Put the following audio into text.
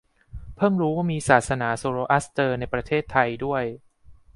เพิ่งรู้ว่ามีศาสนาโซโรอัสเตอร์ในประเทศไทยด้วย